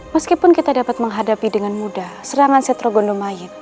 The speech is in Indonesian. meskipun kita dapat menghadapi dengan mudah serangan setrogondomayit